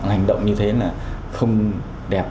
hành động như thế là không đẹp